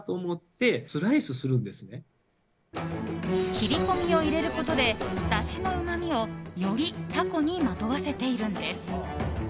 切り込みを入れることでだしのうまみをよりタコにまとわせているんです。